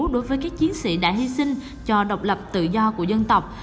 đối với các chiến sĩ đã hy sinh cho độc lập tự do của dân tộc